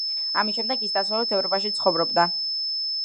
ამის შემდეგ, ის დასავლეთ ევროპაში ცხოვრობდა.